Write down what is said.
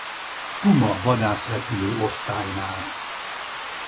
Puma vadászrepülő osztálynál.